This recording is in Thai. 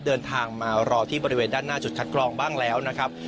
เดินทางมารอที่บริเวณด้านหน้าจุดคัดกรองบ้างแล้วนะครับ